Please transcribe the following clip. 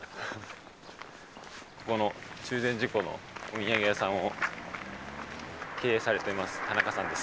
ここの中禅寺湖のお土産屋さんを経営されてます田中さんです。